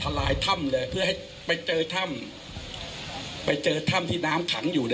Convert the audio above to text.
ลายถ้ำเลยเพื่อให้ไปเจอถ้ำไปเจอถ้ำที่น้ำขังอยู่